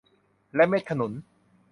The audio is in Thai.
และเม็ดขนุน